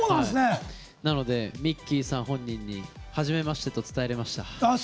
なので、ミッキーさん本人に「はじめまして」と伝えれました。